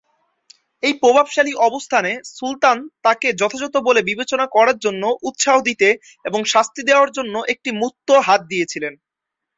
এই প্রভাবশালী অবস্থানে, সুলতান তাকে যথাযথ বলে বিবেচনা করার জন্য উত্সাহ দিতে এবং শাস্তি দেওয়ার জন্য একটি মুক্ত হাত দিয়েছিলেন।